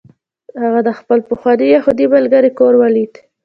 هغه د خپل پخواني یهودي ملګري کور ولید